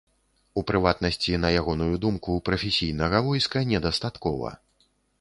У прыватнасці, на ягоную думку, прафесійнага войска недастаткова.